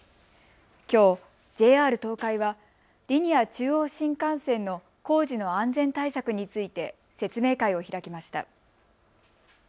きょう、ＪＲ東海はリニア中央新幹線の工事の安全対策について説明会を開きました。